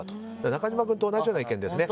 中島君と同じような意見ですね。